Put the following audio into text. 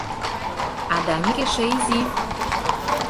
А Даник эше изи.